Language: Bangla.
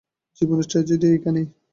জীবনের ট্রাজেডি এইখানেই।